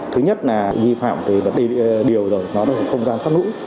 thứ nhất là vi phạm điều rồi nó là không gian phát ngũ